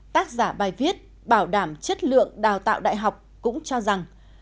tác giả bài viết bảo đảm chất lượng đào tạo đại học cũng cho rằng